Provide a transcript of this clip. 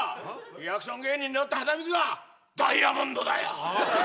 リアクション芸人にとって鼻水はダイヤモンドだよ！